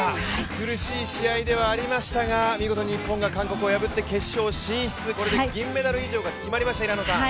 苦しい試合ではありましたが見事日本が韓国を破って決勝進出、これで銀メダル以上が決まりました。